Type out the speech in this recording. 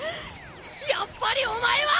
やっぱりお前は。